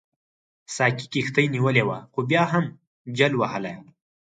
ساقي کښتۍ نیولې وه خو بیا هم جل وهله.